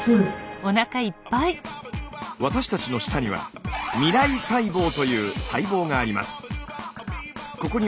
私たちの舌には味蕾細胞という細胞があります。